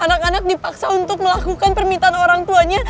anak anak dipaksa untuk melakukan permintaan orang tuanya